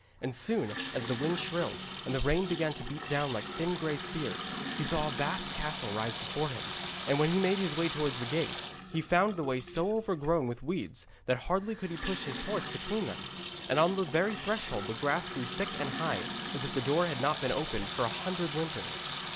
And soon, as the wind shrilled, and the rain began to beat down like thin grey spears, he saw a vast castle rise before him, and when he made his way towards the gate, he found the way so overgrown with weeds that hardly could he push his horse between them. And on the very threshold the grass grew thick and high, as if the door had not been opened for a hundred winters.